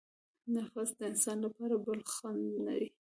نفس د انسان لپاره بل خڼډ دی.